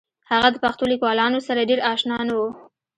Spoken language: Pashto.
هغه د پښتو لیکوالانو سره ډېر اشنا نه و